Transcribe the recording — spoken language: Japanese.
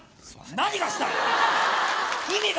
何がしたいの？